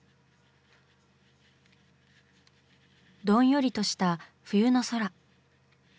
どんよりとした冬の空。